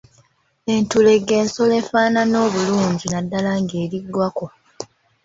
Entulege nsolo efaanana obulungi naddala ng’eri ggwako.